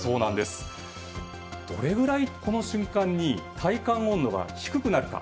どれぐらいこの瞬間に体感温度が低くなるのか。